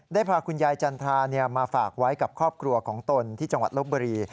พาคุณยายจันทรามาฝากไว้กับครอบครัวของตนที่จังหวัดลบบุรี